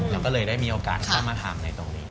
เราก็เลยได้มีโอกาสเข้ามาทำในตรงนี้